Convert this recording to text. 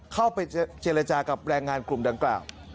เข้าไปเจรจากับแรงงานกลุ่มดังกล่าว